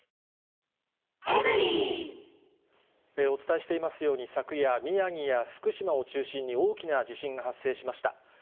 お伝えしていますように、昨夜、宮城や福島を中心に、大きな地震が発生しました。